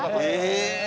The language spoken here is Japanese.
へえ。